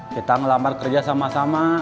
kita ngelambat kerja sama sama